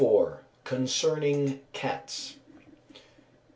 CONCERNING CATS.